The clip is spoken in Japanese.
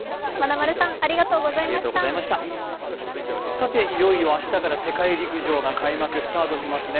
さて、いよいよ明日から世界陸上が開幕、スタートしますね。